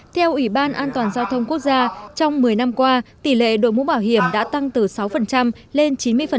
theo ủy ban an toàn giao thông quốc gia trong một mươi năm qua tỷ lệ đội mũ bảo hiểm đã tăng từ sáu lên chín mươi